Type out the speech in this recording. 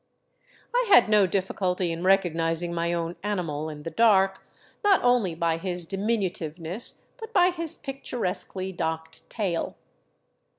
I had no diffi culty in recognizing my own animal in the dark, not only by his dimin utiveness, but by his picturesquely docked tail.